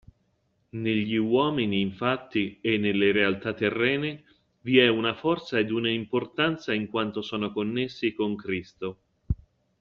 Negli uomini infatti e nelle realtà terrene vi è una forza ed una importanza in quanto sono connessi con Cristo.